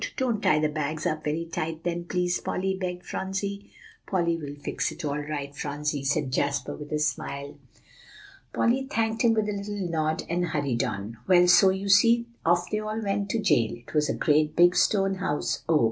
"Don't tie the bags up very tight, then, please, Polly," begged Phronsie. "Polly will fix it all right, Phronsie," said Jasper, with a smile. Polly thanked him with a little nod, and hurried on. "Well, so you see, off they all went to jail. It was a great big stone house, oh!